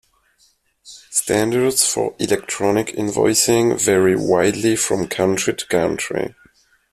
Standards for electronic invoicing vary widely from country to country.